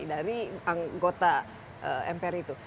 dari anggota mpr itu